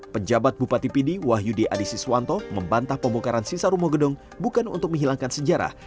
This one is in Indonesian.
penjabat bupati pdi wahyudi adhisi swanto membantah pemukaran sisa rumah gedung bukan untuk menghilangkan sejarah